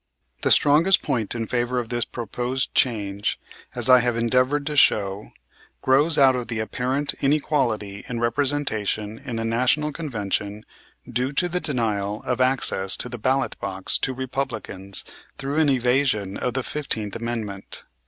"The strongest point in favor of this proposed change, as I have endeavored to show, grows out of the apparent inequality in representation in the National Convention due to the denial of access to the ballot box to Republicans through an evasion of the Fifteenth Amendment.